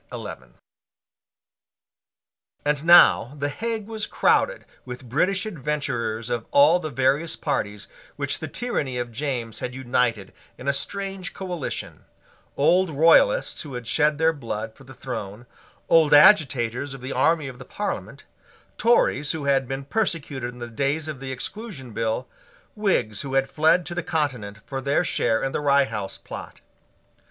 And now the Hague was crowded with British adventurers of all the various parties which the tyranny of James had united in a strange coalition, old royalists who had shed their blood for the throne, old agitators of the army of the Parliament, Tories who had been persecuted in the days of the Exclusion Bill, Whigs who had fled to the Continent for their share in the Rye House Plot.